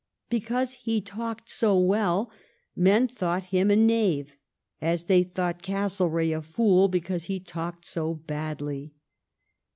Because he talked so well men thought him a knave, as I they thought Castlereagh a fool because he talked so badly.